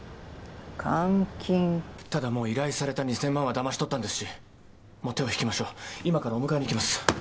ただもう依頼された２，０００万はだまし取ったんですしもう手を引きましょう今からお迎えにいきます。